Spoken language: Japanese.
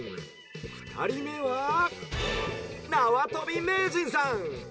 ふたりめはなわとび名人さん。